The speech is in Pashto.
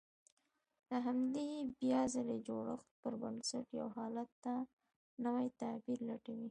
د همدې بيا ځلې جوړښت پر بنسټ يو حالت ته نوی تعبير لټوي.